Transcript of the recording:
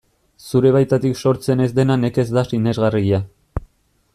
Zure baitatik sortzen ez dena nekez da sinesgarria.